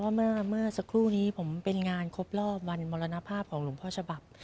ใช่ครับเพราะว่าเมื่อสักครู่นี้ผมเป็นงานครบรอบวันมรณภาพของหลวงพ่อฉบับ